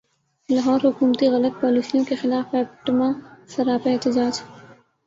لاہور حکومتی غلط پالیسیوں کیخلاف ایپٹما سراپا احتجاج